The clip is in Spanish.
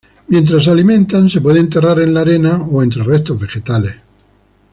Mientras se alimentan, se puede enterrar en la arena o entre restos vegetales.